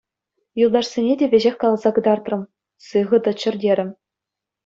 Юлташсене те веҫех каласа кӑтартрӑм, сыхӑ тӑччӑр терӗм.